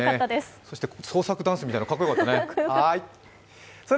そして創作ダンスみたいなのかっこよかったね